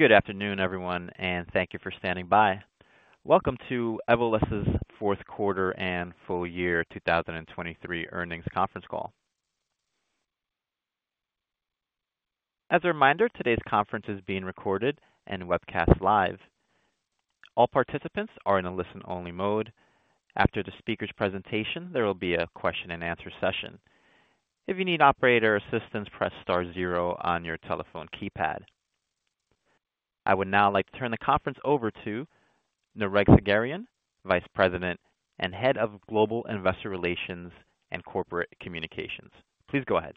Good afternoon, everyone, and thank you for standing by. Welcome to Evolus's Q4 and full year 2023 earnings conference call. As a reminder, today's conference is being recorded and webcast live. All participants are in a listen-only mode. After the speaker's presentation, there will be a question and answer session. If you need operator assistance, press star zero on your telephone keypad. I would now like to turn the conference over to Nareg Sagherian, Vice President and Head of Global Investor Relations and Corporate Communications. Please go ahead.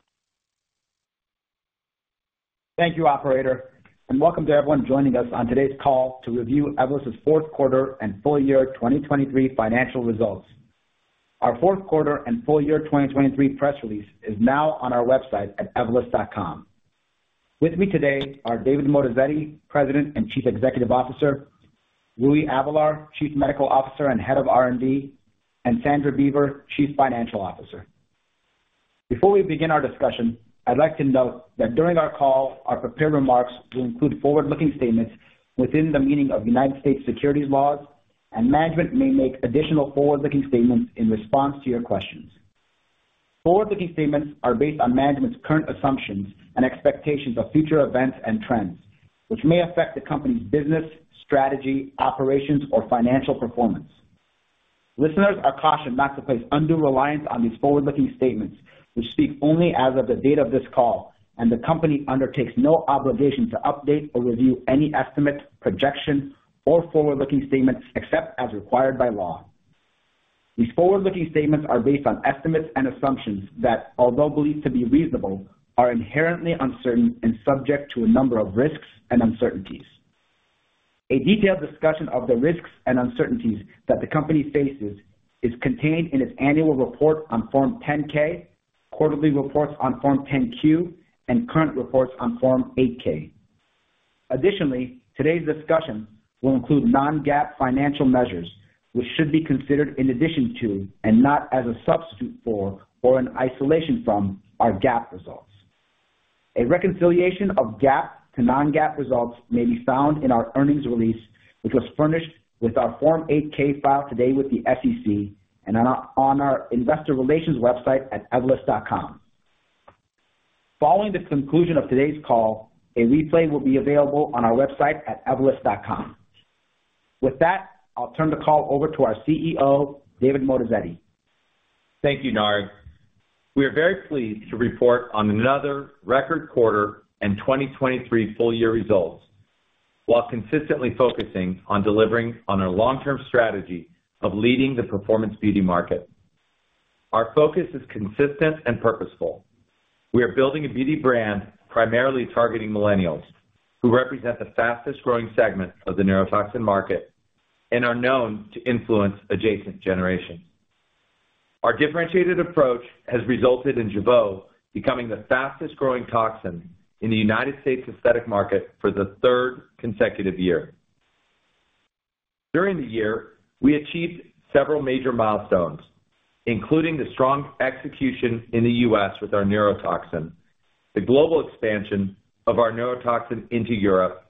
Thank you, operator, and welcome to everyone joining us on today's call to review Evolus's Q4 and full year 2023 financial results. Our Q4 and full year 2023 press release is now on our website at evolus.com. With me today are David Moatazedi, President and Chief Executive Officer, Rui Avelar, Chief Medical Officer and Head of R&D, and Sandra Beaver, Chief Financial Officer. Before we begin our discussion, I'd like to note that during our call, our prepared remarks will include forward-looking statements within the meaning of United States securities laws, and management may make additional forward-looking statements in response to your questions. Forward-looking statements are based on management's current assumptions and expectations of future events and trends, which may affect the company's business, strategy, operations, or financial performance. Listeners are cautioned not to place undue reliance on these forward-looking statements, which speak only as of the date of this call, and the company undertakes no obligation to update or review any estimates, projections, or forward-looking statements except as required by law. These forward-looking statements are based on estimates and assumptions that, although believed to be reasonable, are inherently uncertain and subject to a number of risks and uncertainties. A detailed discussion of the risks and uncertainties that the company faces is contained in its annual report on Form 10-K, quarterly reports on Form 10-Q, and current reports on Form 8-K. Additionally, today's discussion will include non-GAAP financial measures, which should be considered in addition to and not as a substitute for or in isolation from our GAAP results. A reconciliation of GAAP to non-GAAP results may be found in our earnings release, which was furnished with our Form 8-K filed today with the SEC and on our investor relations website at evolus.com. Following the conclusion of today's call, a replay will be available on our website at evolus.com. With that, I'll turn the call over to our CEO, David Moatazedi. Thank you, Nareg. We are very pleased to report on another record quarter and 2023 full year results, while consistently focusing on delivering on our long-term strategy of leading the performance beauty market. Our focus is consistent and purposeful. We are building a beauty brand primarily targeting millennials, who represent the fastest growing segment of the neurotoxin market and are known to influence adjacent generations. Our differentiated approach has resulted in Jeuveau becoming the fastest growing toxin in the United States aesthetic market for the third consecutive year. During the year, we achieved several major milestones, including the strong execution in the U.S. with our neurotoxin, the global expansion of our neurotoxin into Europe,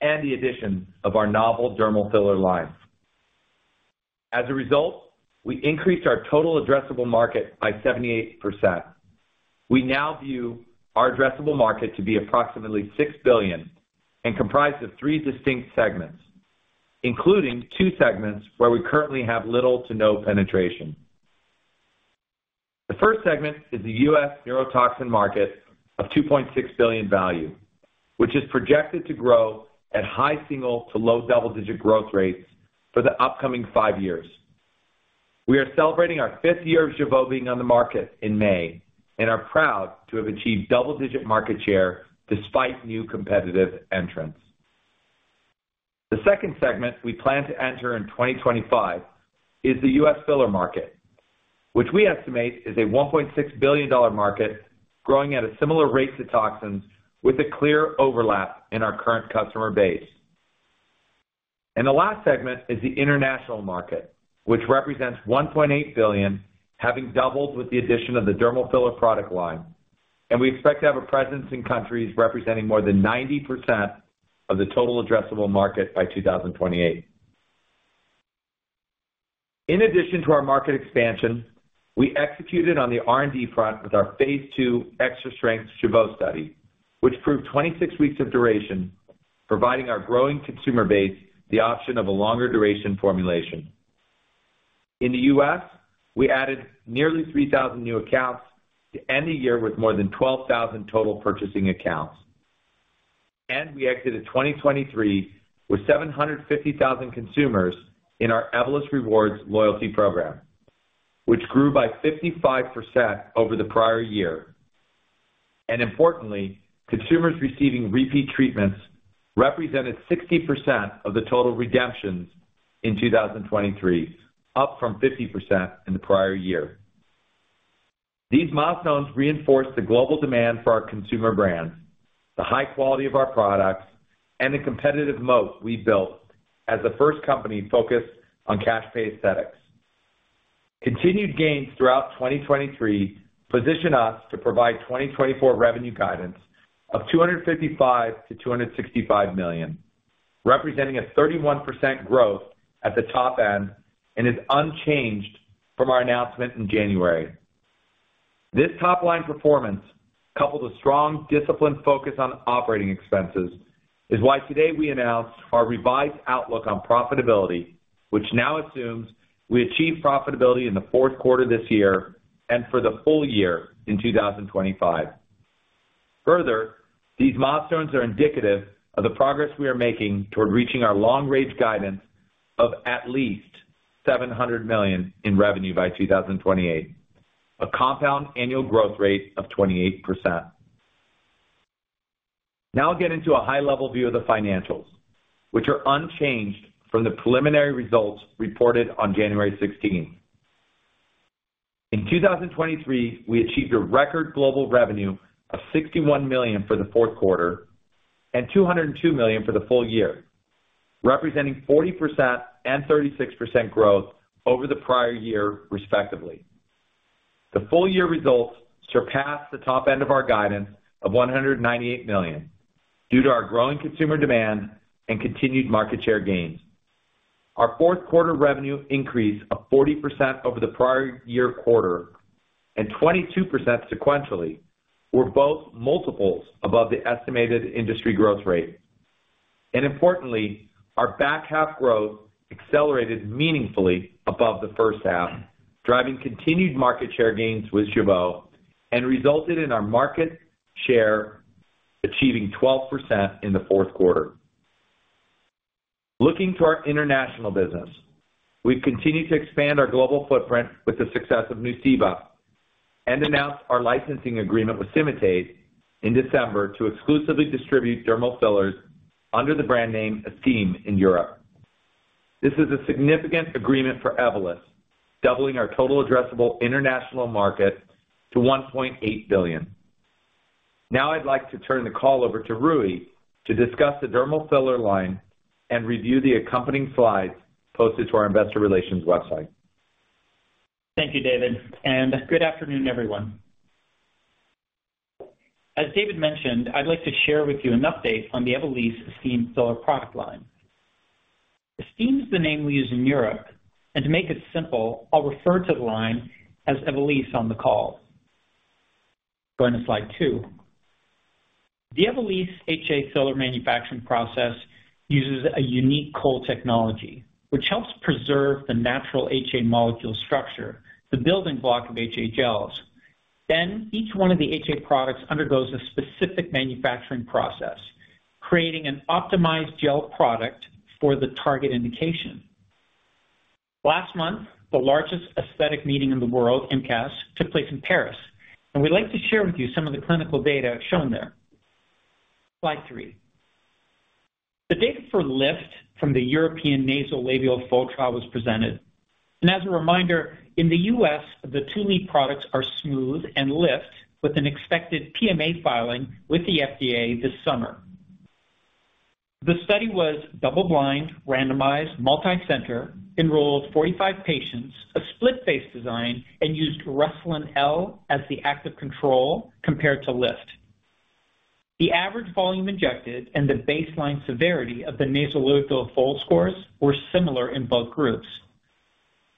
and the addition of our novel dermal filler line. As a result, we increased our total addressable market by 78%. We now view our addressable market to be approximately $6 billion and comprised of three distinct segments, including two segments where we currently have little to no penetration. The first segment is the U.S. neurotoxin market of $2.6 billion value, which is projected to grow at high single- to low double-digit growth rates for the upcoming 5 years. We are celebrating our fifth year of Jeuveau being on the market in May and are proud to have achieved double-digit market share despite new competitive entrants. The second segment we plan to enter in 2025 is the U.S. filler market, which we estimate is a $1.6 billion market, growing at a similar rate to toxins, with a clear overlap in our current customer base. The last segment is the international market, which represents $1.8 billion, having doubled with the addition of the dermal filler product line, and we expect to have a presence in countries representing more than 90% of the total addressable market by 2028. In addition to our market expansion, we executed on the R&D front with our phase 2 extra strength Jeuveau study, which proved 26 weeks of duration, providing our growing consumer base the option of a longer duration formulation. In the U.S., we added nearly 3,000 new accounts to end the year with more than 12,000 total purchasing accounts. We exited 2023 with 750,000 consumers in our Evolus Rewards loyalty program, which grew by 55% over the prior year. Importantly, consumers receiving repeat treatments represented 60% of the total redemptions in 2023, up from 50% in the prior year. These milestones reinforce the global demand for our consumer brands, the high quality of our products, and the competitive moat we built as the first company focused on cash pay aesthetics.... Continued gains throughout 2023 position us to provide 2024 revenue guidance of $255 million-$265 million, representing a 31% growth at the top end and is unchanged from our announcement in January. This top line performance, coupled with strong disciplined focus on operating expenses, is why today we announce our revised outlook on profitability, which now assumes we achieve profitability in the Q4 this year and for the full year in 2025. Further, these milestones are indicative of the progress we are making toward reaching our long-range guidance of at least $700 million in revenue by 2028, a compound annual growth rate of 28%. Now I'll get into a high-level view of the financials, which are unchanged from the preliminary results reported on January 16. In 2023, we achieved a record global revenue of $61 million for the Q4 and $202 million for the full year, representing 40% and 36% growth over the prior year, respectively. The full year results surpassed the top end of our guidance of $198 million due to our growing consumer demand and continued market share gains. Our Q4 revenue increase of 40% over the prior year quarter and 22% sequentially were both multiples above the estimated industry growth rate. Importantly, our back half growth accelerated meaningfully above the first half, driving continued market share gains with Jeuveau and resulted in our market share achieving 12% in the Q4. Looking to our international business, we've continued to expand our global footprint with the success of Nuceiva and announced our licensing agreement with Symatese in December to exclusively distribute dermal fillers under the brand name Estyme in Europe. This is a significant agreement for Evolus, doubling our total addressable international market to $1.8 billion. Now I'd like to turn the call over to Rui to discuss the dermal filler line and review the accompanying slides posted to our investor relations website. Thank you, David, and good afternoon, everyone. As David mentioned, I'd like to share with you an update on the Evolysse Estyme filler product line. Estyme is the name we use in Europe, and to make it simple, I'll refer to the line as Evolysse on the call. Going to slide two. The Evolysse HA filler manufacturing process uses a unique cold technology, which helps preserve the natural HA molecule structure, the building block of HA gels. Then each one of the HA products undergoes a specific manufacturing process, creating an optimized gel product for the target indication. Last month, the largest aesthetic meeting in the world, IMCAS, took place in Paris, and we'd like to share with you some of the clinical data shown there. Slide three. The data for lift from the European nasolabial fold trial was presented, and as a reminder, in the U.S., the two lead products are Smooth and Lift, with an expected PMA filing with the FDA this summer. The study was double-blind, randomized, multicenter, enrolled 45 patients, a split-face design, and used Restylane L as the active control compared to Lift. The average volume injected and the baseline severity of the nasolabial fold scores were similar in both groups.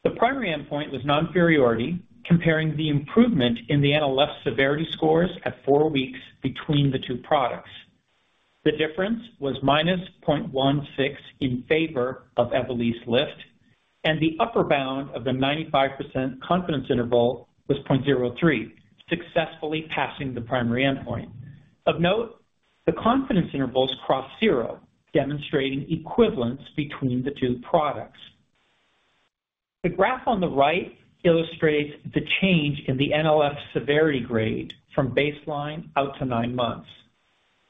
The primary endpoint was non-inferiority, comparing the improvement in the NLF severity scores at 4 weeks between the two products. The difference was -0.16 in favor of Evolysse Lift, and the upper bound of the 95% confidence interval was 0.03, successfully passing the primary endpoint. Of note, the confidence intervals crossed zero, demonstrating equivalence between the two products. The graph on the right illustrates the change in the NLF severity grade from baseline out to 9 months.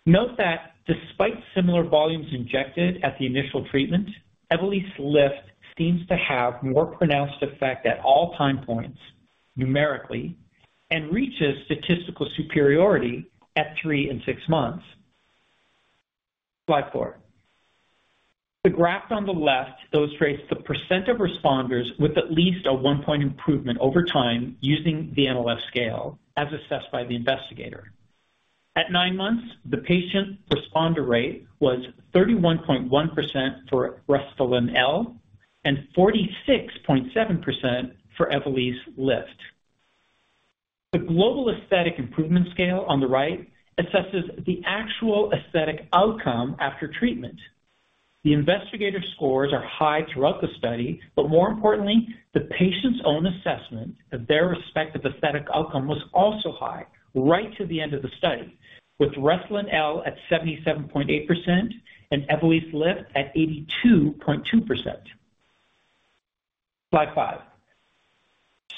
Note that despite similar volumes injected at the initial treatment, Evolysse Lift seems to have more pronounced effect at all time points numerically and reaches statistical superiority at 3 and 6 months. Slide 4. The graph on the left illustrates the percent of responders with at least a 1-point improvement over time, using the NLF scale as assessed by the investigator. At 9 months, the patient responder rate was 31.1% for Restylane L and 46.7% for Evolysse Lift. The Global Aesthetic Improvement Scale on the right assesses the actual aesthetic outcome after treatment. The investigator scores are high throughout the study, but more importantly, the patient's own assessment of their respective aesthetic outcome was also high right to the end of the study, with Restylane L at 77.8% and Evolysse Lift at 82.2%. Slide 5.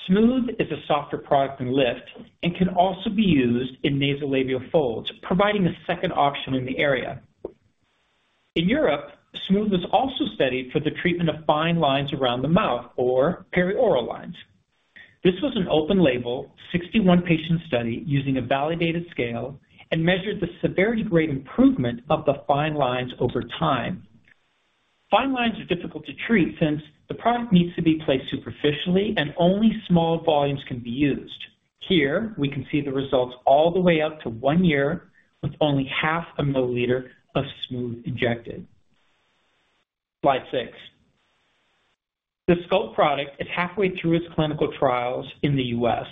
Smooth is a softer product than Lift and can also be used in nasolabial folds, providing a second option in the area. In Europe, Smooth was also studied for the treatment of fine lines around the mouth or perioral lines. This was an open label, 61-patient study using a validated scale and measured the severity grade improvement of the fine lines over time. Fine lines are difficult to treat since the product needs to be placed superficially and only small volumes can be used. Here, we can see the results all the way up to 1 year, with only 0.5 milliliter of smooth injected. Slide 6. The Sculpt product is halfway through its clinical trials in the U.S.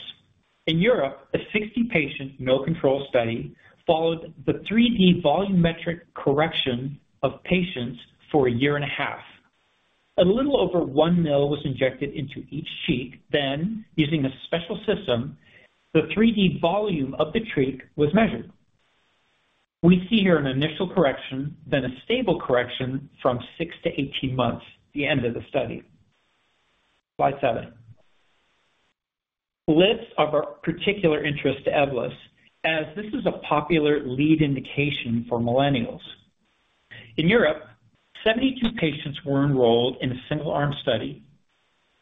In Europe, a 60-patient, no-control study followed the 3D volumetric correction of patients for a year and a half. A little over 1 milliliter was injected into each cheek. Then, using a special system, the 3D volume of the cheek was measured. We see here an initial correction, then a stable correction from 6 to 18 months, the end of the study. Slide 7. Lips are of a particular interest to Evolus, as this is a popular lead indication for millennials. In Europe, 72 patients were enrolled in a single-arm study,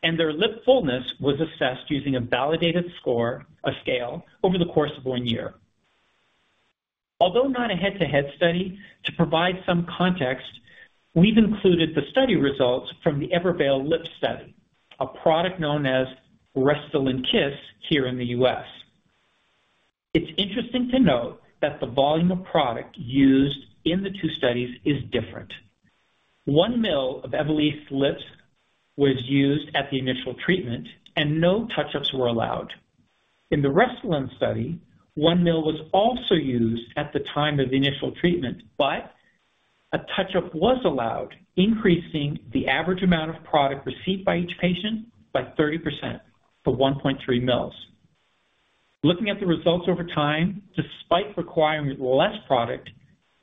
and their lip fullness was assessed using a validated score, a scale, over the course of 1 year. Although not a head-to-head study, to provide some context, we've included the study results from the Evolysse Lip Study, a product known as Restylane Kysse here in the U.S. It's interesting to note that the volume of product used in the two studies is different. 1 mL of Evolysse Lips was used at the initial treatment, and no touch-ups were allowed. In the Restylane study, 1 mL was also used at the time of the initial treatment, but a touch-up was allowed, increasing the average amount of product received by each patient by 30% to 1.3 mL. Looking at the results over time, despite requiring less product,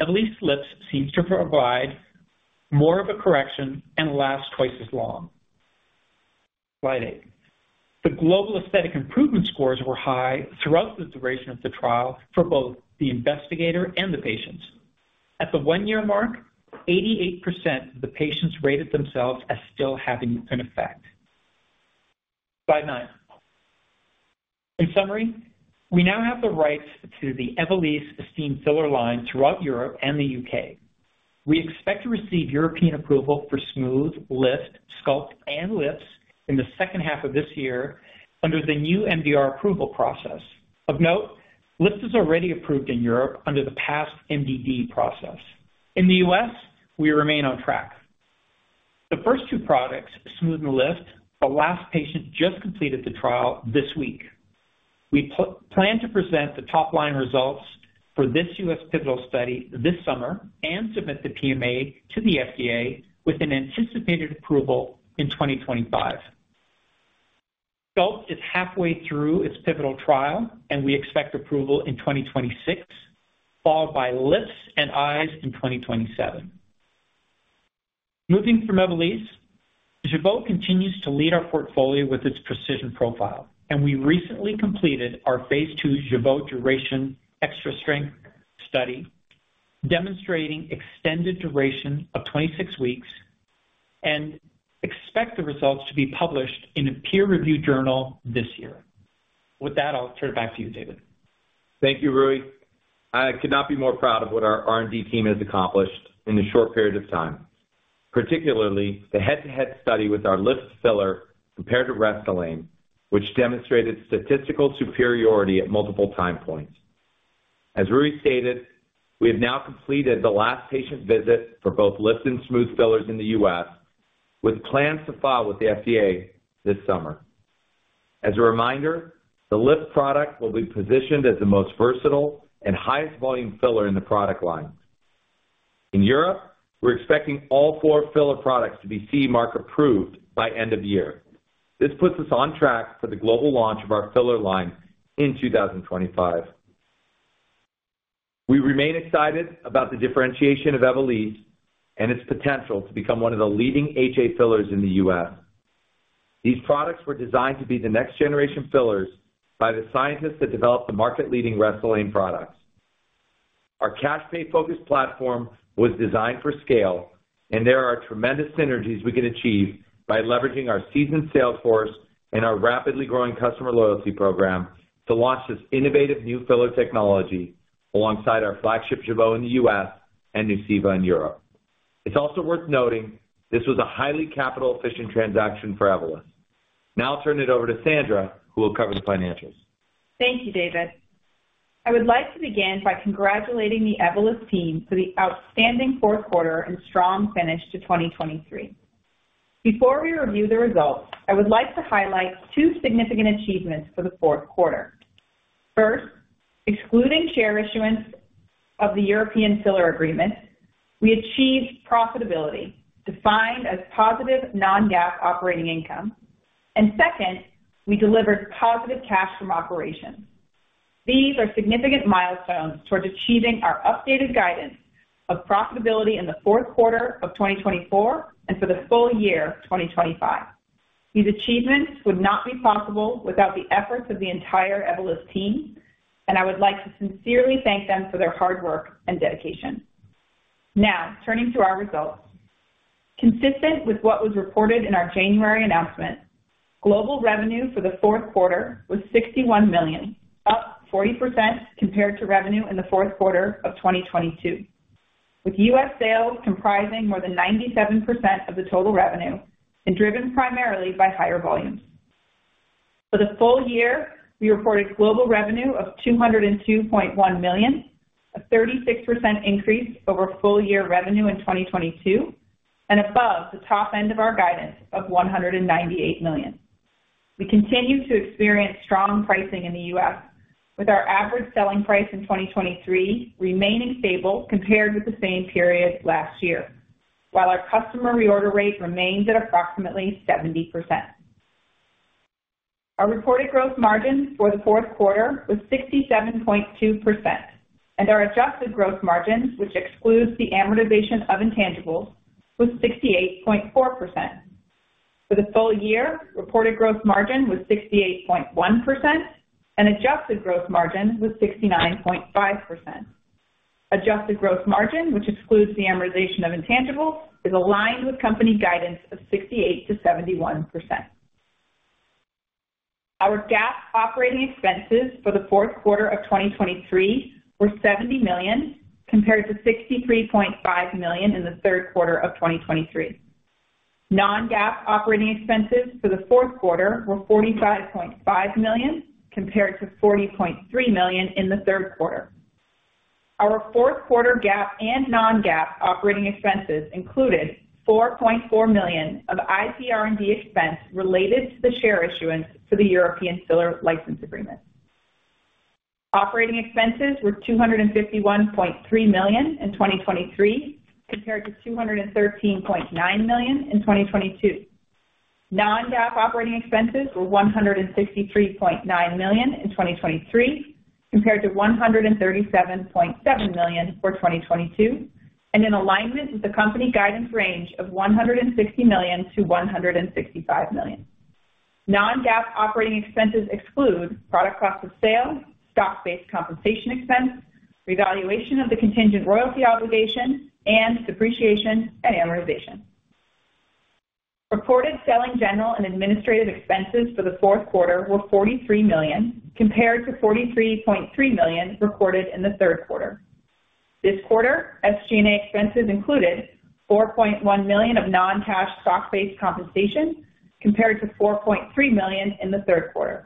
Evolysse Lips seems to provide more of a correction and lasts twice as long. Slide 8. The global aesthetic improvement scores were high throughout the duration of the trial for both the investigator and the patients. At the one-year mark, 88% of the patients rated themselves as still having an effect. Slide 9. In summary, we now have the rights to the Evolysse Estyme filler line throughout Europe and the U.K. We expect to receive European approval for Smooth, Lift, Sculpt, and Lips in the second half of this year under the new MDR approval process. Of note, Lips is already approved in Europe under the past MDD process. In the U.S., we remain on track. The first two products, Smooth and the Lift, the last patient just completed the trial this week. We plan to present the top-line results for this U.S. pivotal study this summer and submit the PMA to the FDA with an anticipated approval in 2025. Sculpt is halfway through its pivotal trial, and we expect approval in 2026, followed by Lips and Eyes in 2027. Moving from Evolysse, Jeuveau continues to lead our portfolio with its precision profile, and we recently completed our phase 2 Jeuveau duration extra strength study, demonstrating extended duration of 26 weeks, and expect the results to be published in a peer-reviewed journal this year. With that, I'll turn it back to you, David. Thank you, Rui. I could not be more proud of what our R&D team has accomplished in a short period of time, particularly the head-to-head study with our Lips filler compared to Restylane, which demonstrated statistical superiority at multiple time points. As Rui stated, we have now completed the last patient visit for both Lips and Smooth fillers in the U.S., with plans to file with the FDA this summer. As a reminder, the Lips product will be positioned as the most versatile and highest volume filler in the product line. In Europe, we're expecting all four filler products to be CE mark approved by end of year. This puts us on track for the global launch of our filler line in 2025. We remain excited about the differentiation of Evolysse and its potential to become one of the leading HA fillers in the U.S. These products were designed to be the next-generation fillers by the scientists that developed the market-leading Restylane products. Our cash pay-focused platform was designed for scale, and there are tremendous synergies we can achieve by leveraging our seasoned sales force and our rapidly growing customer loyalty program to launch this innovative new filler technology alongside our flagship Jeuveau in the U.S. and Nuceiva in Europe. It's also worth noting this was a highly capital-efficient transaction for Evolus. Now I'll turn it over to Sandra, who will cover the financials. Thank you, David. I would like to begin by congratulating the Evolus team for the outstanding Q4 and strong finish to 2023. Before we review the results, I would like to highlight two significant achievements for the Q4. First, excluding share issuance of the European filler agreement, we achieved profitability, defined as positive non-GAAP operating income, and second, we delivered positive cash from operations. These are significant milestones towards achieving our updated guidance of profitability in the Q4 of 2024 and for the full year of 2025. These achievements would not be possible without the efforts of the entire Evolus team, and I would like to sincerely thank them for their hard work and dedication. Now, turning to our results. Consistent with what was reported in our January announcement, global revenue for the Q4 was $61 million.... 40% compared to revenue in the Q4 of 2022, with U.S. sales comprising more than 97% of the total revenue and driven primarily by higher volumes. For the full year, we reported global revenue of $202.1 million, a 36% increase over full year revenue in 2022, and above the top end of our guidance of $198 million. We continue to experience strong pricing in the U.S., with our average selling price in 2023 remaining stable compared with the same period last year, while our customer reorder rate remains at approximately 70%. Our reported gross margin for the Q4 was 67.2%, and our adjusted gross margin, which excludes the amortization of intangibles, was 68.4%. For the full year, reported gross margin was 68.1% and adjusted gross margin was 69.5%. Adjusted gross margin, which excludes the amortization of intangibles, is aligned with company guidance of 68%-71%. Our GAAP operating expenses for the Q4 of 2023 were $70 million, compared to $63.5 million in the Q3 of 2023. Non-GAAP operating expenses for the Q4 were $45.5 million, compared to $40.3 million in the Q3. Our Q4 GAAP and non-GAAP operating expenses included $4.4 million of IPR&D expense related to the share issuance to the European Filler License Agreement. Operating expenses were $251.3 million in 2023, compared to $213.9 million in 2022. Non-GAAP operating expenses were $163.9 million in 2023, compared to $137.7 million for 2022, and in alignment with the company guidance range of $160 million-$165 million. Non-GAAP operating expenses exclude product cost of sale, stock-based compensation expense, revaluation of the contingent royalty obligation, and depreciation and amortization. Reported selling general and administrative expenses for the Q4 were $43 million, compared to $43.3 million recorded in the Q3. This quarter, SG&A expenses included $4.1 million of non-cash stock-based compensation, compared to $4.3 million in the Q3.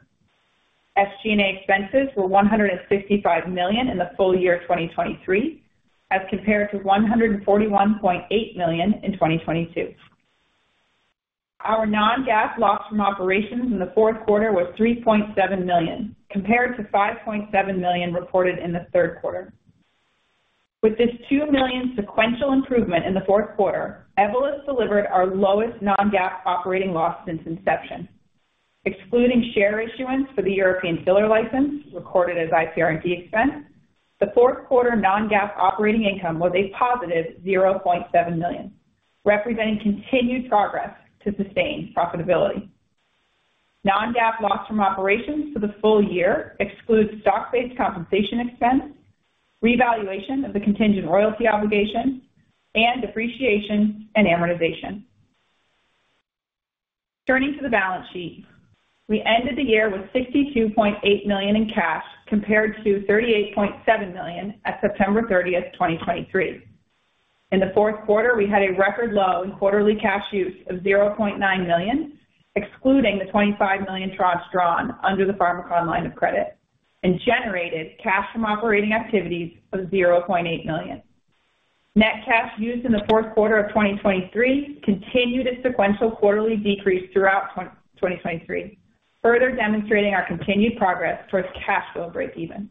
SG&A expenses were $155 million in the full year of 2023, as compared to $141.8 million in 2022. Our non-GAAP loss from operations in the Q4 was $3.7 million, compared to $5.7 million reported in the Q3. With this $2 million sequential improvement in the Q4, Evolus delivered our lowest non-GAAP operating loss since inception. Excluding share issuance for the European Filler License, recorded as IPR&D expense, the Q4 non-GAAP operating income was a positive $0.7 million, representing continued progress to sustain profitability. Non-GAAP loss from operations for the full year excludes stock-based compensation expense, revaluation of the contingent royalty obligation, and depreciation and amortization. Turning to the balance sheet. We ended the year with $62.8 million in cash, compared to $38.7 million at September 30, 2023. In the Q4, we had a record low in quarterly cash use of $0.9 million, excluding the $25 million tranche drawn under the Pharmakon line of credit, and generated cash from operating activities of $0.8 million. Net cash used in the Q4 of 2023 continued a sequential quarterly decrease throughout 2023, further demonstrating our continued progress towards cash flow break-even.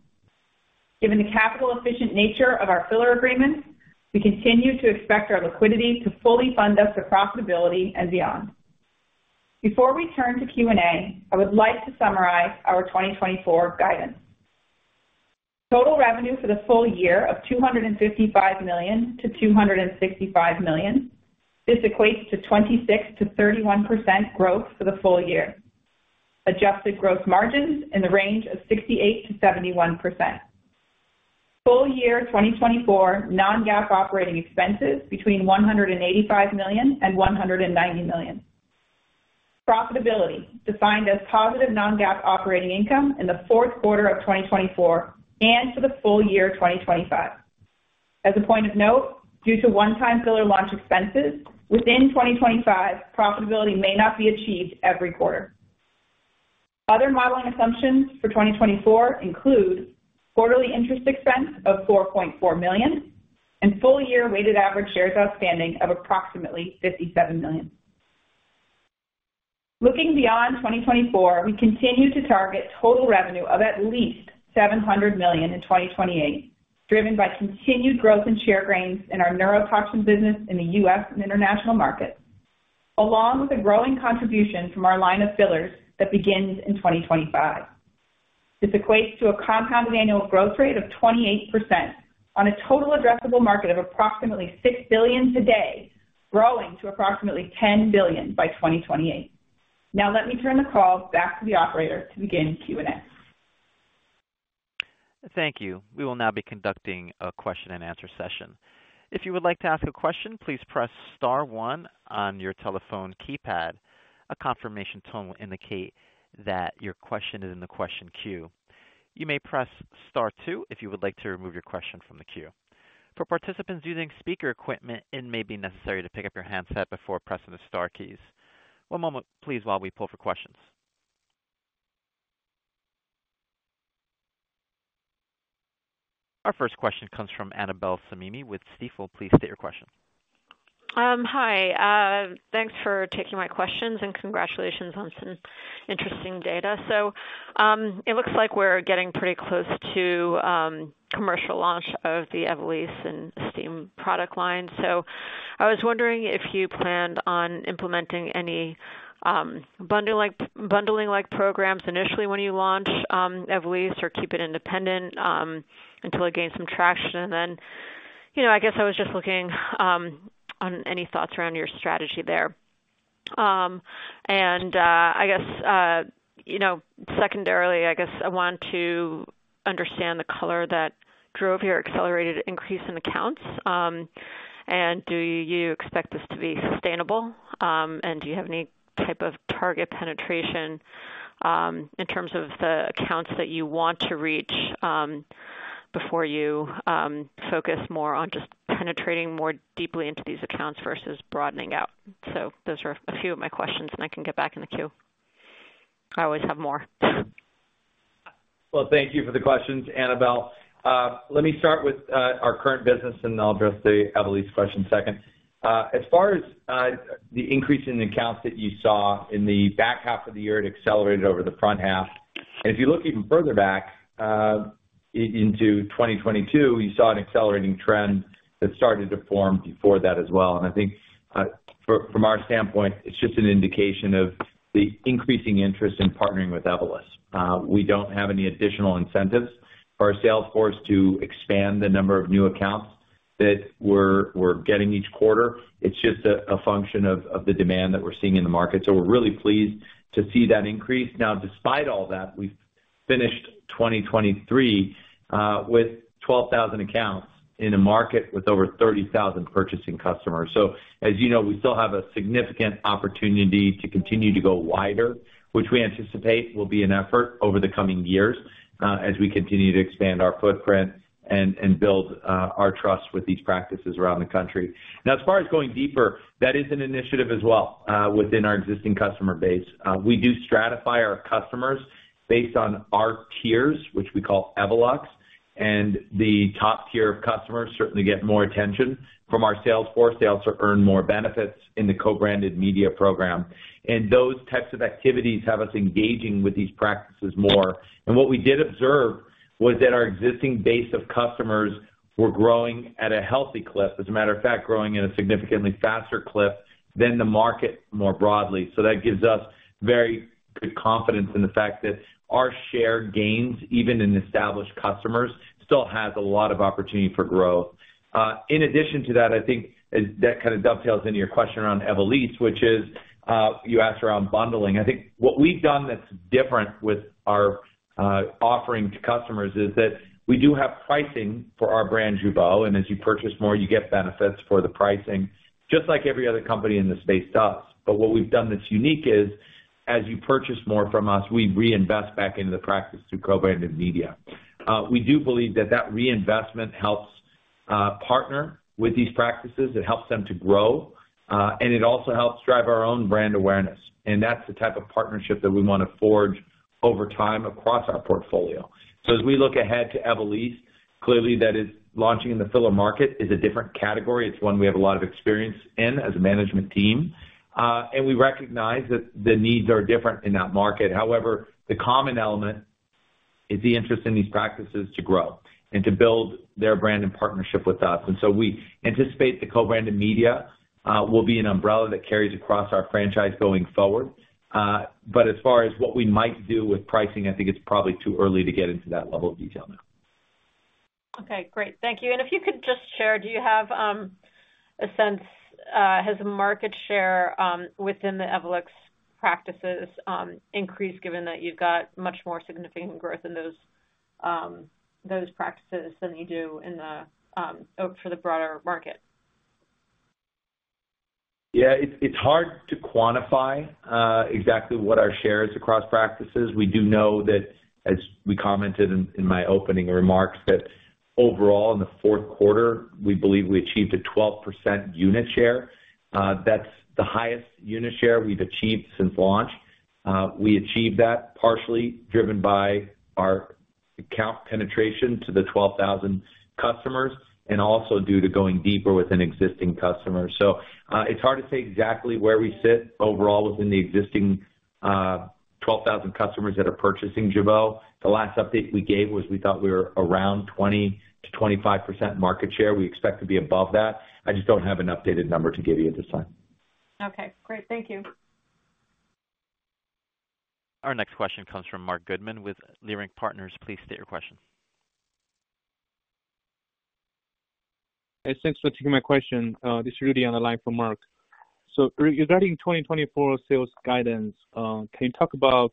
Given the capital-efficient nature of our filler agreements, we continue to expect our liquidity to fully fund us to profitability and beyond. Before we turn to Q&A, I would like to summarize our 2024 guidance. Total revenue for the full year of $255 million-$265 million. This equates to 26%-31% growth for the full year. Adjusted growth margins in the range of 68%-71%. Full year 2024 non-GAAP operating expenses between $185 million and $190 million. Profitability, defined as positive non-GAAP operating income in the Q4 of 2024 and for the full year 2025. As a point of note, due to one-time filler launch expenses within 2025, profitability may not be achieved every quarter. Other modeling assumptions for 2024 include quarterly interest expense of $4.4 million and full-year weighted average shares outstanding of approximately 57 million. Looking beyond 2024, we continue to target total revenue of at least $700 million in 2028, driven by continued growth in share gains in our neurotoxin business in the US and international markets, along with a growing contribution from our line of fillers that begins in 2025. This equates to a compounded annual growth rate of 28% on a total addressable market of approximately $6 billion today, growing to approximately $10 billion by 2028. Now let me turn the call back to the operator to begin Q&A.... Thank you. We will now be conducting a question-and-answer session. If you would like to ask a question, please press star one on your telephone keypad. A confirmation tone will indicate that your question is in the question queue. You may press star two if you would like to remove your question from the queue. For participants using speaker equipment, it may be necessary to pick up your handset before pressing the star keys. One moment, please, while we pull for questions. Our first question comes from Annabel Samimy with Stifel. Please state your question. Hi, thanks for taking my questions, and congratulations on some interesting data. So, it looks like we're getting pretty close to commercial launch of the Evolysse and Estyme product line. So I was wondering if you planned on implementing any bundling-like, bundling-like programs initially when you launch Evolysse, or keep it independent until it gains some traction. And then, you know, I guess I was just looking on any thoughts around your strategy there. And, I guess, you know, secondarily, I guess I want to understand the color that drove your accelerated increase in accounts. And do you expect this to be sustainable? And do you have any type of target penetration in terms of the accounts that you want to reach before you focus more on just penetrating more deeply into these accounts versus broadening out? So those are a few of my questions, and I can get back in the queue. I always have more. Well, thank you for the questions, Annabel. Let me start with our current business, and I'll address the Evolysse question second. As far as the increase in the accounts that you saw in the back half of the year, it accelerated over the front half. And if you look even further back, into 2022, you saw an accelerating trend that started to form before that as well. And I think, from our standpoint, it's just an indication of the increasing interest in partnering with Evolus. We don't have any additional incentives for our sales force to expand the number of new accounts that we're getting each quarter. It's just a function of the demand that we're seeing in the market, so we're really pleased to see that increase. Now, despite all that, we've finished 2023 with 12,000 accounts in a market with over 30,000 purchasing customers. So as you know, we still have a significant opportunity to continue to go wider, which we anticipate will be an effort over the coming years, as we continue to expand our footprint and, and build our trust with these practices around the country. Now, as far as going deeper, that is an initiative as well within our existing customer base. We do stratify our customers based on our tiers, which we call Evolus, and the top tier of customers certainly get more attention from our sales force. Sales are earned more benefits in the co-branded media program, and those types of activities have us engaging with these practices more. What we did observe was that our existing base of customers were growing at a healthy clip, as a matter of fact, growing at a significantly faster clip than the market more broadly. So that gives us very good confidence in the fact that our share gains, even in established customers, still has a lot of opportunity for growth. In addition to that, I think as that kind of dovetails into your question around Evolysse, which is, you asked around bundling. I think what we've done that's different with our offering to customers is that we do have pricing for our brand, Jeuveau, and as you purchase more, you get benefits for the pricing, just like every other company in this space does. But what we've done that's unique is, as you purchase more from us, we reinvest back into the practice through co-branded media. We do believe that that reinvestment helps partner with these practices. It helps them to grow, and it also helps drive our own brand awareness, and that's the type of partnership that we want to forge over time across our portfolio. So as we look ahead to Evolysse, clearly, that is launching in the filler market is a different category. It's one we have a lot of experience in as a management team, and we recognize that the needs are different in that market. However, the common element is the interest in these practices to grow and to build their brand in partnership with us. And so we anticipate the co-branded media will be an umbrella that carries across our franchise going forward. But as far as what we might do with pricing, I think it's probably too early to get into that level of detail now. Okay, great. Thank you. And if you could just share, do you have a sense has market share within the Evolus practices increased, given that you've got much more significant growth in those practices than you do for the broader market? Yeah, it's hard to quantify exactly what our share is across practices. We do know that, as we commented in my opening remarks, that overall, in the Q4, we believe we achieved a 12% unit share. That's the highest unit share we've achieved since launch. We achieved that partially driven by our account penetration to the 12,000 customers and also due to going deeper within existing customers. So, it's hard to say exactly where we sit overall within the existing 12,000 customers that are purchasing Jeuveau. The last update we gave was we thought we were around 20%-25% market share. We expect to be above that. I just don't have an updated number to give you at this time. Okay, great. Thank you. Our next question comes from Marc Goodman with Leerink Partners. Please state your question.... Hey, thanks for taking my question. This is Rudy on the line from Marc. So regarding 2024 sales guidance, can you talk about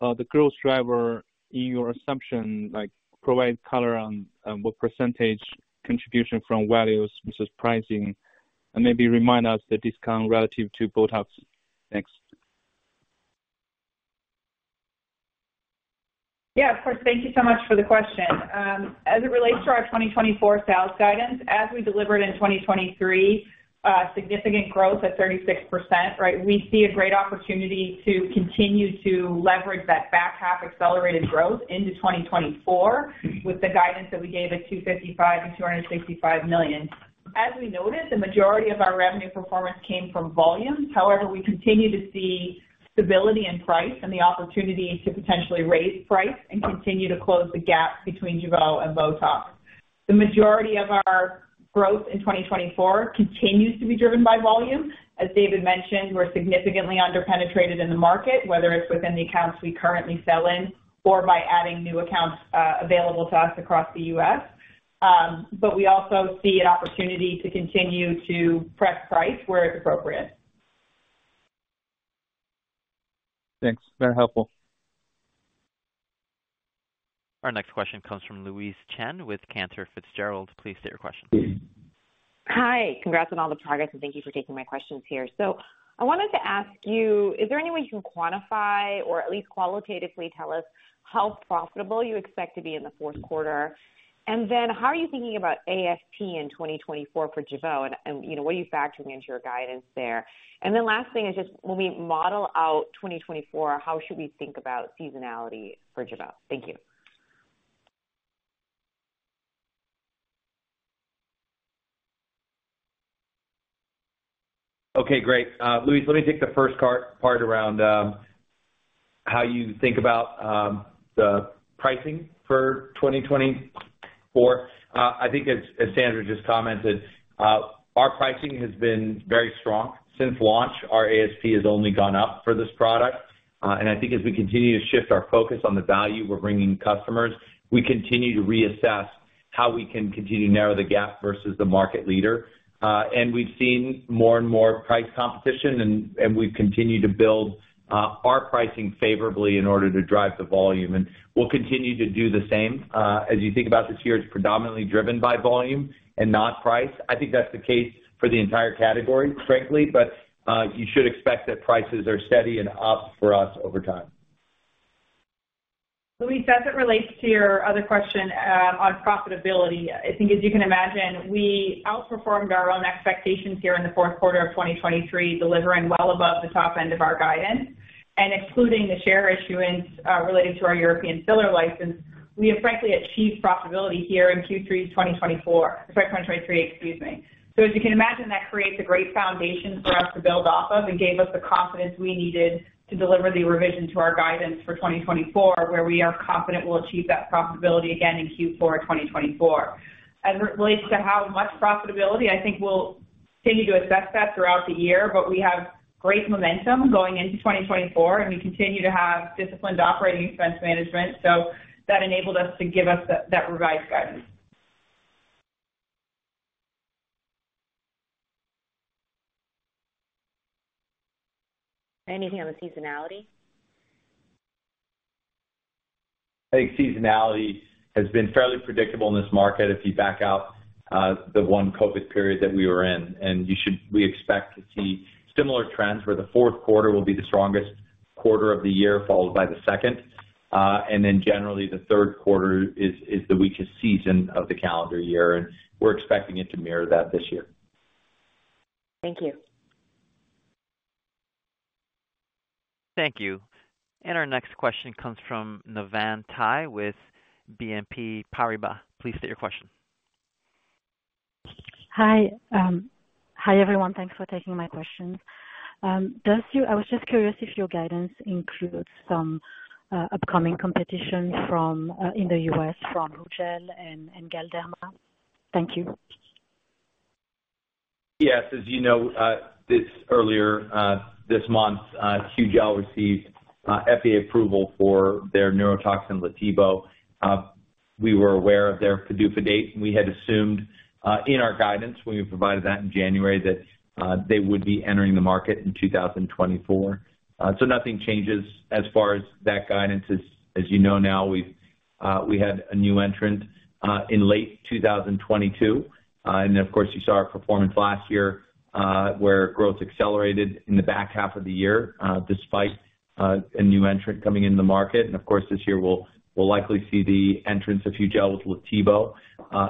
the growth driver in your assumption, like provide color on what percentage contribution from volumes versus pricing, and maybe remind us the discount relative to Botox? Thanks. Yeah, of course. Thank you so much for the question. As it relates to our 2024 sales guidance, as we delivered in 2023, significant growth at 36%, right? We see a great opportunity to continue to leverage that back half accelerated growth into 2024, with the guidance that we gave at $255 million-$265 million. As we noted, the majority of our revenue performance came from volume. However, we continue to see stability in price and the opportunity to potentially raise price and continue to close the gap between Jeuveau and Botox. The majority of our growth in 2024 continues to be driven by volume. As David mentioned, we're significantly under-penetrated in the market, whether it's within the accounts we currently sell in or by adding new accounts, available to us across the U.S. But we also see an opportunity to continue to press price where it's appropriate. Thanks, very helpful. Our next question comes from Louise Chen with Cantor Fitzgerald. Please state your question. Hi, congrats on all the progress, and thank you for taking my questions here. I wanted to ask you, is there any way you can quantify or at least qualitatively tell us how profitable you expect to be in the Q4? And then how are you thinking about ASP in 2024 for Jeuveau, and, and, you know, what are you factoring into your guidance there? And then last thing is just when we model out 2024, how should we think about seasonality for Jeuveau? Thank you. Okay, great. Louise, let me take the first crack at how you think about the pricing for 2024. I think as Sandra just commented, our pricing has been very strong. Since launch, our ASP has only gone up for this product. And I think as we continue to shift our focus on the value we're bringing customers, we continue to reassess how we can continue to narrow the gap versus the market leader. And we've seen more and more price competition and we've continued to build our pricing favorably in order to drive the volume. And we'll continue to do the same. As you think about this year, it's predominantly driven by volume and not price. I think that's the case for the entire category, frankly, but you should expect that prices are steady and up for us over time. Louise, as it relates to your other question on profitability, I think as you can imagine, we outperformed our own expectations here in the Q4 of 2023, delivering well above the top end of our guidance. Excluding the share issuance related to our European filler license, we have frankly achieved profitability here in Q3 2024. Sorry, 2023, excuse me. So as you can imagine, that creates a great foundation for us to build off of and gave us the confidence we needed to deliver the revision to our guidance for 2024, where we are confident we'll achieve that profitability again in Q4 2024. As it relates to how much profitability, I think we'll continue to assess that throughout the year, but we have great momentum going into 2024, and we continue to have disciplined operating expense management. That enabled us to give us that revised guidance. Anything on the seasonality? I think seasonality has been fairly predictable in this market if you back out the one COVID period that we were in. We expect to see similar trends where the Q4 will be the strongest quarter of the year, followed by the second. Generally, the Q3 is the weakest season of the calendar year, and we're expecting it to mirror that this year. Thank you. Thank you. And our next question comes from Navann Ty with BNP Paribas. Please state your question. Hi, everyone. Thanks for taking my question. I was just curious if your guidance includes some upcoming competition from in the U.S. from Hugel and Galderma. Thank you. Yes, as you know, earlier this month, Hugel received FDA approval for their neurotoxin, Letybo. We were aware of their PDUFA date, and we had assumed, in our guidance when we provided that in January, that they would be entering the market in 2024. So nothing changes as far as that guidance. As you know now, we had a new entrant in late 2022. And of course, you saw our performance last year, where growth accelerated in the back half of the year, despite a new entrant coming into the market. And of course, this year we'll likely see the entrance of Hugel with Letybo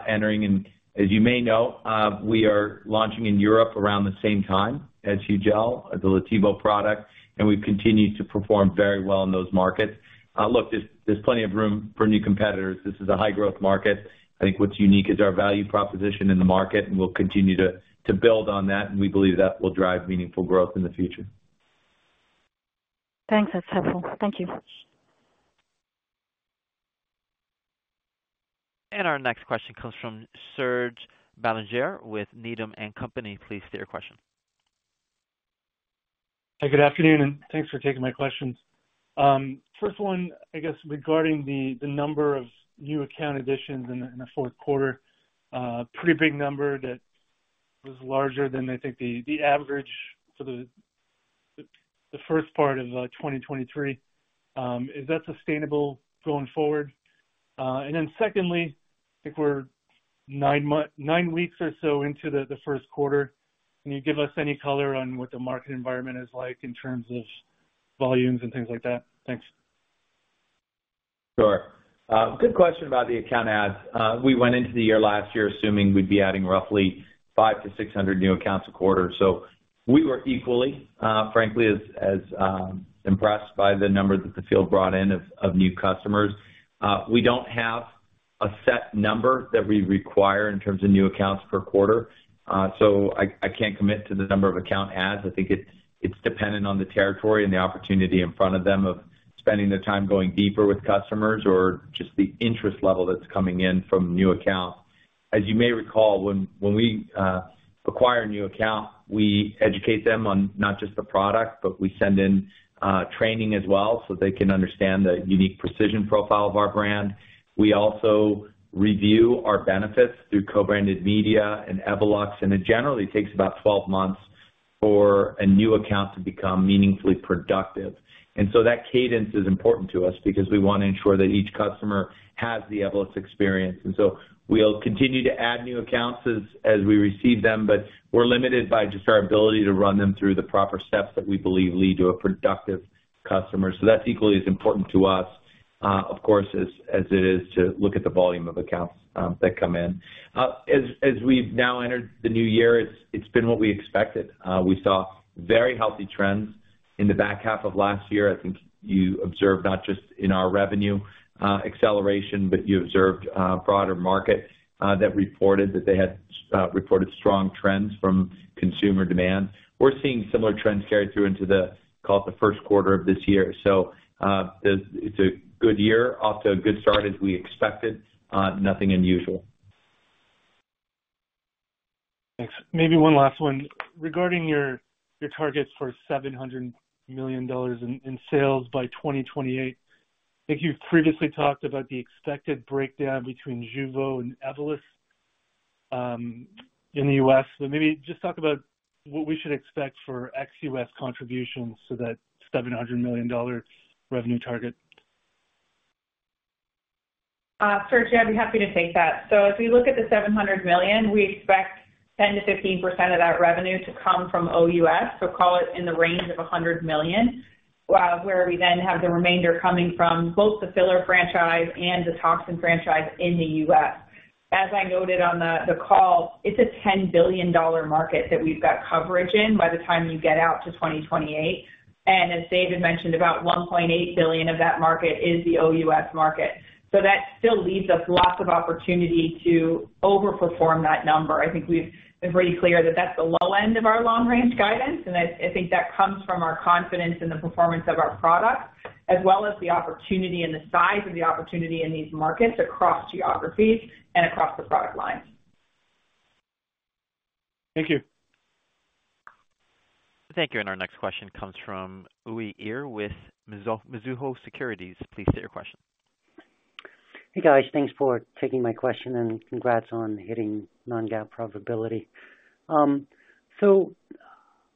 entering. As you may know, we are launching in Europe around the same time as Hugel, the Letybo product, and we've continued to perform very well in those markets. Look, there's plenty of room for new competitors. This is a high-growth market. I think what's unique is our value proposition in the market, and we'll continue to build on that, and we believe that will drive meaningful growth in the future. Thanks. That's helpful. Thank you. Our next question comes from Serge Belanger with Needham & Company. Please state your question.... Hey, good afternoon, and thanks for taking my questions. First one, I guess, regarding the number of new account additions in the Q4, pretty big number that was larger than I think the average for the first part of 2023. Is that sustainable going forward? And then secondly, I think we're 9 weeks or so into the Q1, can you give us any color on what the market environment is like in terms of volumes and things like that? Thanks. Sure. Good question about the account adds. We went into the year last year assuming we'd be adding roughly 500-600 new accounts a quarter. So we were equally, frankly, as impressed by the number that the field brought in of new customers. We don't have a set number that we require in terms of new accounts per quarter. So I can't commit to the number of account adds. I think it's dependent on the territory and the opportunity in front of them of spending the time going deeper with customers or just the interest level that's coming in from new accounts. As you may recall, when we acquire a new account, we educate them on not just the product, but we send in training as well, so they can understand the unique precision profile of our brand. We also review our benefits through co-branded media and Evolus, and it generally takes about 12 months for a new account to become meaningfully productive. So that cadence is important to us because we wanna ensure that each customer has the Evolus experience, and so we'll continue to add new accounts as we receive them, but we're limited by just our ability to run them through the proper steps that we believe lead to a productive customer. So that's equally as important to us, of course, as it is to look at the volume of accounts that come in. As we've now entered the new year, it's been what we expected. We saw very healthy trends in the back half of last year. I think you observed not just in our revenue acceleration, but you observed broader market that reported that they had reported strong trends from consumer demand. We're seeing similar trends carry through into the, call it, the Q1 of this year. So, it's a good year, off to a good start as we expected, nothing unusual. Thanks. Maybe one last one. Regarding your targets for $700 million in sales by 2028, I think you've previously talked about the expected breakdown between Jeuveau and Evolus in the US. So maybe just talk about what we should expect for ex-US contributions to that $700 million revenue target. Serge, yeah, I'd be happy to take that. So if we look at the $700 million, we expect 10%-15% of that revenue to come from OUS, so call it in the range of $100 million, where we then have the remainder coming from both the filler franchise and the toxin franchise in the U.S. As I noted on the call, it's a $10 billion market that we've got coverage in by the time you get out to 2028. And as David mentioned, about $1.8 billion of that market is the OUS market. So that still leaves us lots of opportunity to overperform that number. I think we've been pretty clear that that's the low end of our long-range guidance, and I think that comes from our confidence in the performance of our products, as well as the opportunity and the size of the opportunity in these markets across geographies and across the product lines. Thank you. Thank you, and our next question comes from Uy Ear with Mizuho Securities. Please state your question. Hey, guys. Thanks for taking my question, and congrats on hitting non-GAAP profitability. So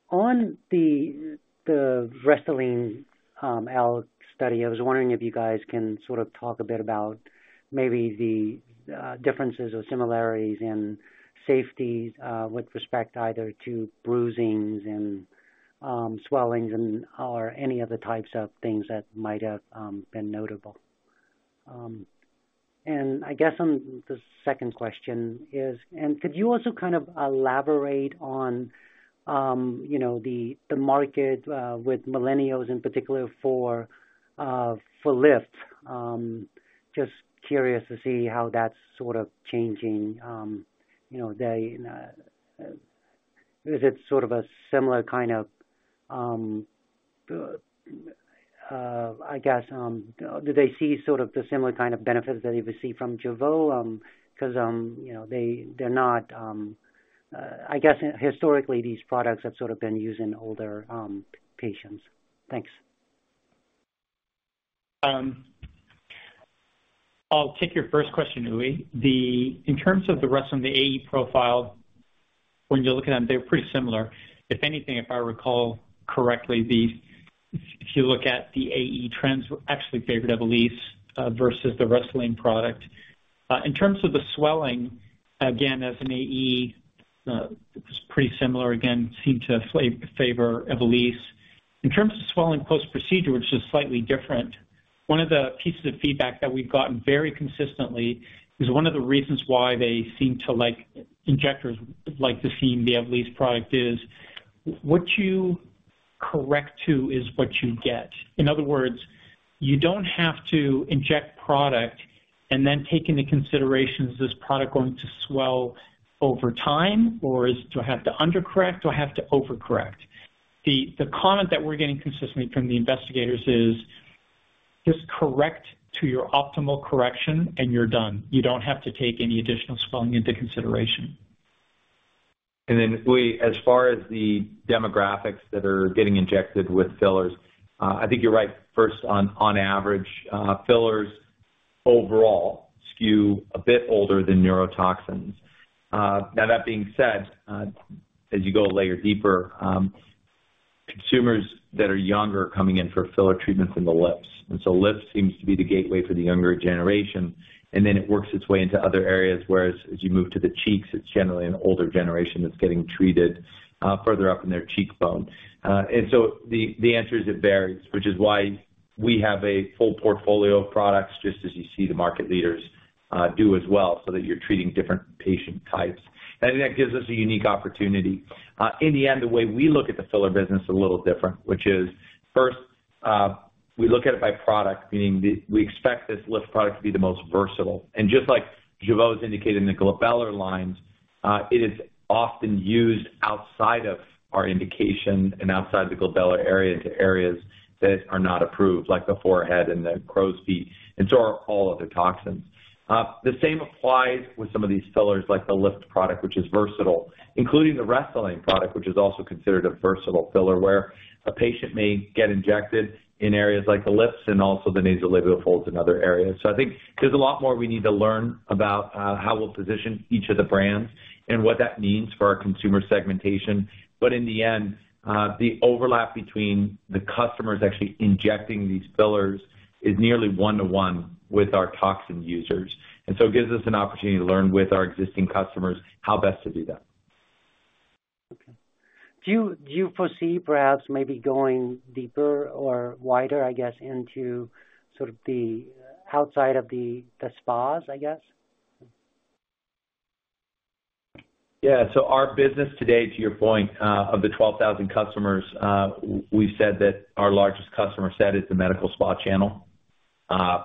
on the Restylane NLF study, I was wondering if you guys can sort of talk a bit about maybe the differences or similarities in safety with respect either to bruising and swellings or any other types of things that might have been notable. And I guess the second question is... And could you also kind of elaborate on you know the market with millennials in particular for lift. Just curious to see how that's sort of changing you know they is it sort of a similar kind of I guess do they see sort of the similar kind of benefits that you would see from Jeuveau? Because, you know, they, they're not... I guess historically, these products have sort of been used in older patients. Thanks. I'll take your first question, Rui. In terms of the rest on the AE profile, when you look at them, they're pretty similar. If anything, if I recall correctly, if you look at the AE trends, actually favored Evolus versus the Restylane product. In terms of the swelling, again, as an AE, it was pretty similar. Again, seemed to favor Evolus. In terms of swelling post-procedure, which is slightly different, one of the pieces of feedback that we've gotten very consistently, is one of the reasons why injectors seem to like the Evolus product, is what you correct to is what you get. In other words, you don't have to inject product and then take into consideration, is this product going to swell over time, or do I have to under-correct? Do I have to over-correct? The comment that we're getting consistently from the investigators is-... Just correct to your optimal correction, and you're done. You don't have to take any additional swelling into consideration. Then we as far as the demographics that are getting injected with fillers, I think you're right, first, on average, fillers overall skew a bit older than neurotoxins. Now, that being said, as you go a layer deeper, consumers that are younger are coming in for filler treatments in the lips, and so lips seems to be the gateway for the younger generation, and then it works its way into other areas, whereas as you move to the cheeks, it's generally an older generation that's getting treated, further up in their cheekbone. And so the answer is it varies, which is why we have a full portfolio of products, just as you see the market leaders do as well, so that you're treating different patient types. And I think that gives us a unique opportunity. In the end, the way we look at the filler business a little different, which is, first, we look at it by product, meaning we expect this lift product to be the most versatile. And just like Jeuveau has indicated in the glabellar lines, it is often used outside of our indication and outside the glabellar area, into areas that are not approved, like the forehead and the crow's feet, and so are all other toxins. The same applies with some of these fillers, like the lift product, which is versatile, including the Restylane product, which is also considered a versatile filler, where a patient may get injected in areas like the lips and also the nasolabial folds in other areas. So I think there's a lot more we need to learn about, how we'll position each of the brands and what that means for our consumer segmentation. But in the end, the overlap between the customers actually injecting these fillers is nearly 1-to-1 with our toxin users, and so it gives us an opportunity to learn with our existing customers how best to do that. Okay. Do you foresee perhaps maybe going deeper or wider, I guess, into sort of the outside of the spas, I guess? Yeah. So our business today, to your point, of the 12,000 customers, we've said that our largest customer set is the medical spa channel,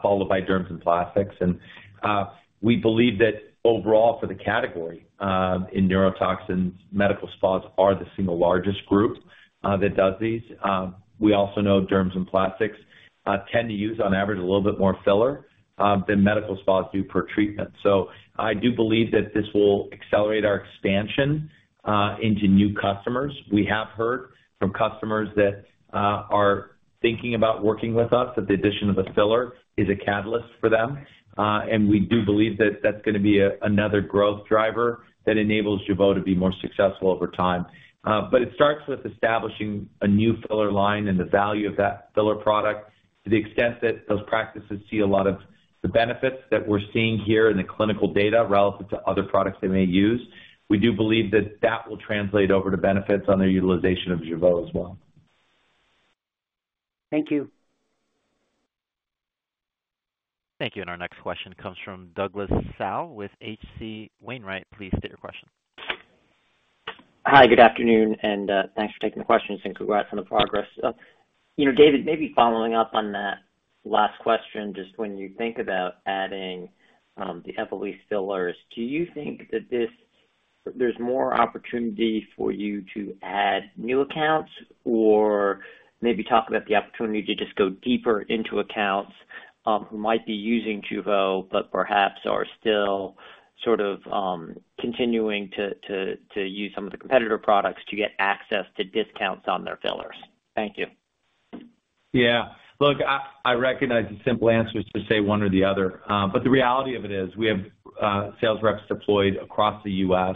followed by derms and plastics. And we believe that overall for the category, in neurotoxins, medical spas are the single largest group that does these. We also know derms and plastics tend to use, on average, a little bit more filler than medical spas do per treatment. So I do believe that this will accelerate our expansion into new customers. We have heard from customers that are thinking about working with us, that the addition of a filler is a catalyst for them. And we do believe that that's gonna be another growth driver that enables Jeuveau to be more successful over time. But it starts with establishing a new filler line and the value of that filler product to the extent that those practices see a lot of the benefits that we're seeing here in the clinical data relative to other products they may use. We do believe that that will translate over to benefits on their utilization of Jeuveau as well. Thank you. Thank you, and our next question comes from Douglas Tsao with H.C. Wainwright. Please state your question. Hi, good afternoon, and thanks for taking the questions, and congrats on the progress. You know, David, maybe following up on that last question, just when you think about adding the Evolysse fillers, do you think that there's more opportunity for you to add new accounts? Or maybe talk about the opportunity to just go deeper into accounts who might be using Jeuveau, but perhaps are still sort of continuing to use some of the competitor products to get access to discounts on their fillers. Thank you. Yeah. Look, I recognize the simple answer is to say one or the other, but the reality of it is, we have sales reps deployed across the U.S.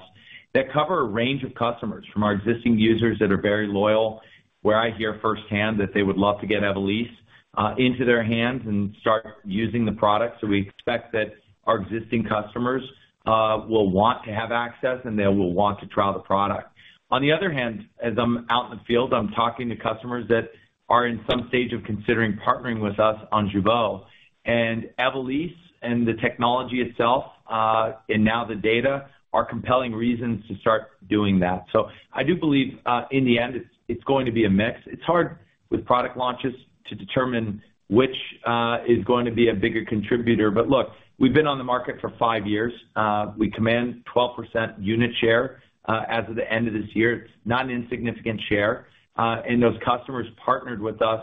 that cover a range of customers, from our existing users that are very loyal, where I hear firsthand that they would love to get Evolysse into their hands and start using the product. So we expect that our existing customers will want to have access, and they will want to try the product. On the other hand, as I'm out in the field, I'm talking to customers that are in some stage of considering partnering with us on Jeuveau, and Evolysse and the technology itself, and now the data, are compelling reasons to start doing that. So I do believe in the end, it's going to be a mix. It's hard with product launches to determine which is going to be a bigger contributor. But look, we've been on the market for five years. We command 12% unit share as of the end of this year. It's not an insignificant share. And those customers partnered with us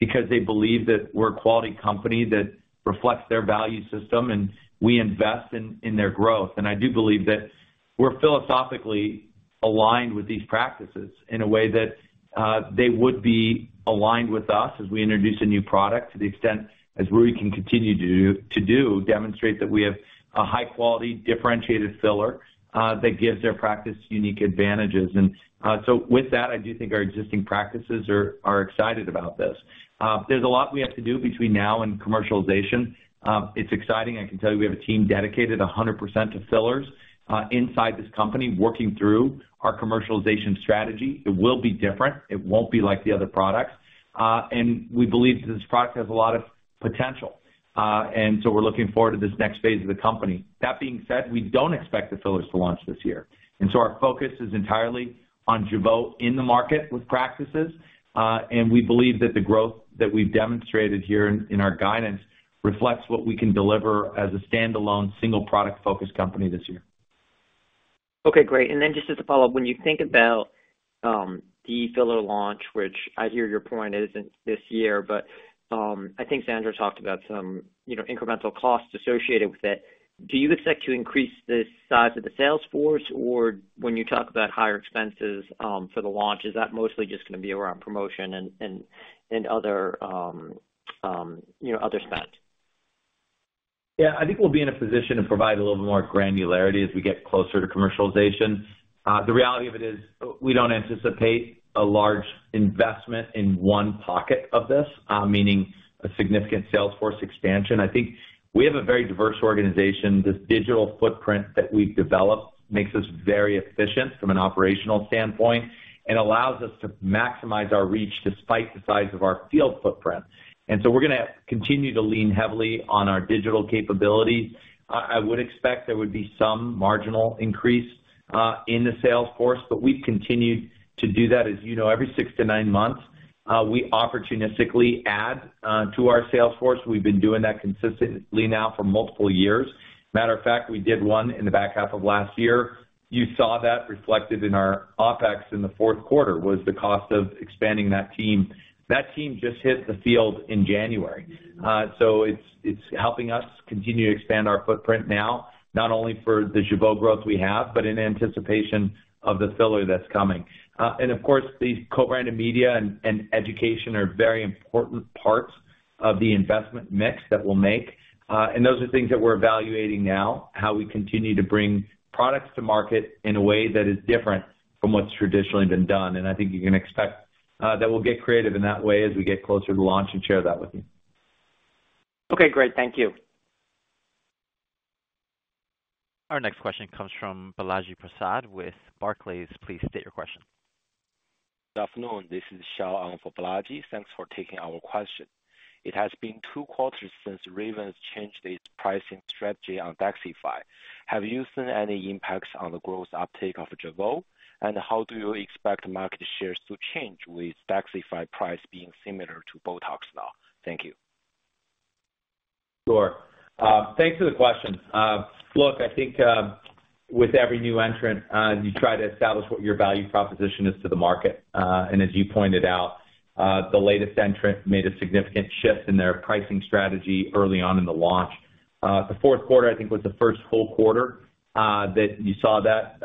because they believe that we're a quality company that reflects their value system, and we invest in their growth. And I do believe that we're philosophically aligned with these practices in a way that they would be aligned with us as we introduce a new product, to the extent as we can continue to demonstrate that we have a high quality, differentiated filler that gives their practice unique advantages. And so with that, I do think our existing practices are excited about this. There's a lot we have to do between now and commercialization. It's exciting. I can tell you we have a team dedicated 100% to fillers, inside this company, working through our commercialization strategy. It will be different. It won't be like the other products, and we believe that this product has a lot of potential. And so we're looking forward to this next phase of the company. That being said, we don't expect the fillers to launch this year, and so our focus is entirely on Jeuveau in the market with practices. And we believe that the growth that we've demonstrated here in our guidance reflects what we can deliver as a standalone, single product-focused company this year. ... Okay, great. And then just as a follow-up, when you think about the filler launch, which I hear your point isn't this year, but I think Sandra talked about some, you know, incremental costs associated with it. Do you expect to increase the size of the sales force? Or when you talk about higher expenses for the launch, is that mostly just gonna be around promotion and other, you know, other spend? Yeah, I think we'll be in a position to provide a little more granularity as we get closer to commercialization. The reality of it is, we don't anticipate a large investment in one pocket of this, meaning a significant sales force expansion. I think we have a very diverse organization. This digital footprint that we've developed makes us very efficient from an operational standpoint and allows us to maximize our reach despite the size of our field footprint. And so we're gonna continue to lean heavily on our digital capability. I would expect there would be some marginal increase in the sales force, but we've continued to do that. As you know, every 6-9 months, we opportunistically add to our sales force. We've been doing that consistently now for multiple years. Matter of fact, we did one in the back half of last year. You saw that reflected in our OpEx in the Q4, was the cost of expanding that team. That team just hit the field in January. So it's helping us continue to expand our footprint now, not only for the Jeuveau growth we have, but in anticipation of the filler that's coming. And of course, the co-branded media and education are very important parts of the investment mix that we'll make. And those are things that we're evaluating now, how we continue to bring products to market in a way that is different from what's traditionally been done. I think you can expect that we'll get creative in that way as we get closer to launch and share that with you. Okay, great. Thank you. Our next question comes from Balaji Prasad with Barclays. Please state your question. Good afternoon. This is Xiao, for Balaji. Thanks for taking our question. It has been two quarters since Revance changed its pricing strategy on Daxxify. Have you seen any impacts on the growth uptake of Jeuveau, and how do you expect market shares to change with Daxxify price being similar to Botox now? Thank you. Sure. Thanks for the question. Look, I think, with every new entrant, you try to establish what your value proposition is to the market. And as you pointed out, the latest entrant made a significant shift in their pricing strategy early on in the launch. The Q4, I think, was the first full quarter that you saw that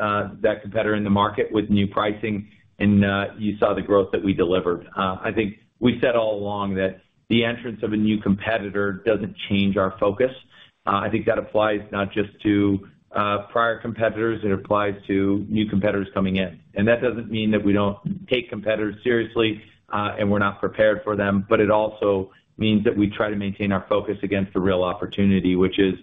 competitor in the market with new pricing, and you saw the growth that we delivered. I think we said all along that the entrance of a new competitor doesn't change our focus. I think that applies not just to prior competitors, it applies to new competitors coming in. And that doesn't mean that we don't take competitors seriously, and we're not prepared for them, but it also means that we try to maintain our focus against the real opportunity, which is,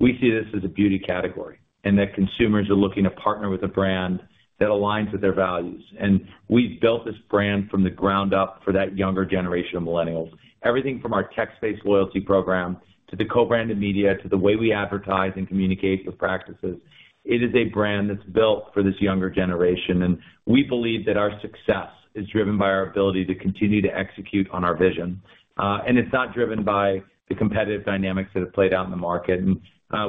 we see this as a beauty category, and that consumers are looking to partner with a brand that aligns with their values. And we've built this brand from the ground up for that younger generation of millennials. Everything from our text-based loyalty program, to the co-branded media, to the way we advertise and communicate with practices, it is a brand that's built for this younger generation, and we believe that our success is driven by our ability to continue to execute on our vision. And it's not driven by the competitive dynamics that have played out in the market. And,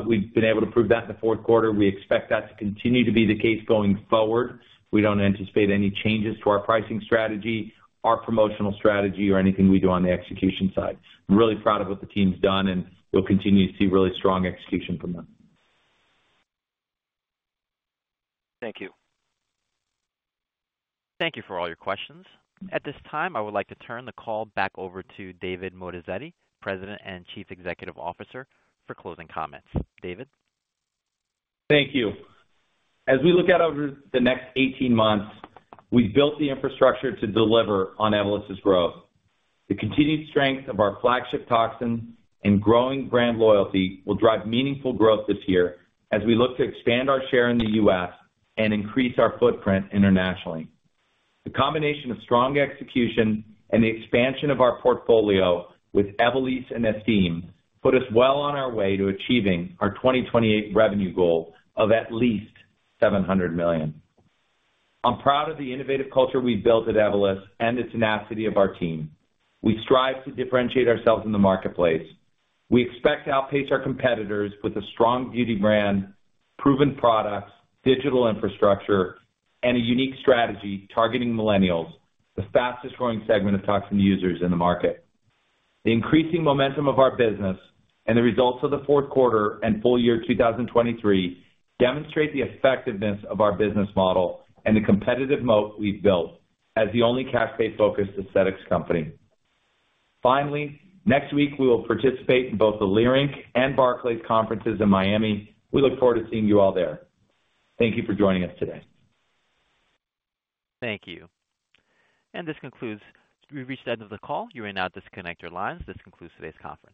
we've been able to prove that in the Q4. We expect that to continue to be the case going forward. We don't anticipate any changes to our pricing strategy, our promotional strategy, or anything we do on the execution side. I'm really proud of what the team's done, and we'll continue to see really strong execution from them. Thank you. Thank you for all your questions. At this time, I would like to turn the call back over to David Moatazedi, President and Chief Executive Officer, for closing comments. David? Thank you. As we look out over the next 18 months, we've built the infrastructure to deliver on Evolus's growth. The continued strength of our flagship toxin and growing brand loyalty will drive meaningful growth this year as we look to expand our share in the U.S. and increase our footprint internationally. The combination of strong execution and the expansion of our portfolio with Evolysse and Estyme, put us well on our way to achieving our 2028 revenue goal of at least $700 million. I'm proud of the innovative culture we've built at Evolus and the tenacity of our team. We strive to differentiate ourselves in the marketplace. We expect to outpace our competitors with a strong beauty brand, proven products, digital infrastructure, and a unique strategy targeting millennials, the fastest growing segment of toxin users in the market. The increasing momentum of our business and the results of the Q4 and full year 2023 demonstrate the effectiveness of our business model and the competitive moat we've built as the only cash-based focused aesthetics company. Finally, next week, we will participate in both the Leerink and Barclays conferences in Miami. We look forward to seeing you all there. Thank you for joining us today. Thank you. This concludes... We've reached the end of the call. You may now disconnect your lines. This concludes today's conference.